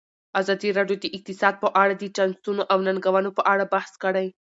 ازادي راډیو د اقتصاد په اړه د چانسونو او ننګونو په اړه بحث کړی.